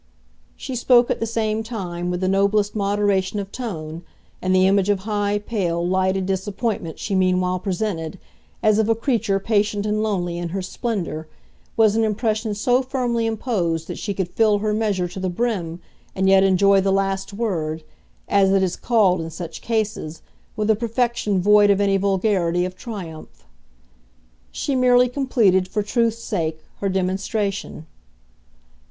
She spoke, at the same time, with the noblest moderation of tone, and the image of high, pale, lighted disappointment she meanwhile presented, as of a creature patient and lonely in her splendour, was an impression so firmly imposed that she could fill her measure to the brim and yet enjoy the last word, as it is called in such cases, with a perfection void of any vulgarity of triumph. She merely completed, for truth's sake, her demonstration.